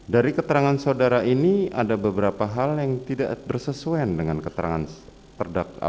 dari keterangan saudara ini ada beberapa hal yang tidak bersesuaian dengan keterangan terdakwa